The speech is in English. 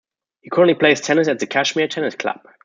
He currently plays tennis at the Cashmere Tennis Club.